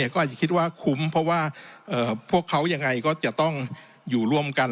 ก็อาจจะคิดว่าคุ้มเพราะว่าพวกเขายังไงก็จะต้องอยู่ร่วมกัน